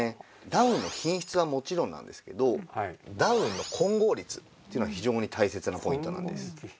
ダウンの品質はもちろんなんですけどダウンの混合率っていうのが非常に大切なポイントなんです。